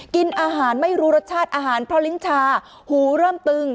กินอาหารไม่รู้รสชาติอาหารเพราะลิ้นชาหูเริ่มตึง